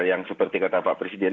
yang seperti kata pak presiden